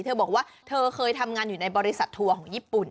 เธอบอกว่าเธอเคยทำงานอยู่ในบริษัททัวร์ของญี่ปุ่น